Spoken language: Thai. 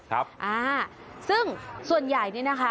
ครับอ่าซึ่งส่วนใหญ่นี่นะคะ